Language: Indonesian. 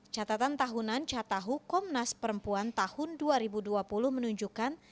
catatan tahunan catahu komnas perempuan tahun dua ribu dua puluh menunjukkan